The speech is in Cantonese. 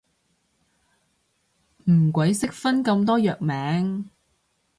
唔鬼識分咁多藥名